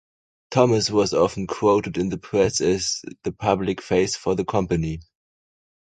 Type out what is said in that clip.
Thomas was often quoted in the press as the public face for the company.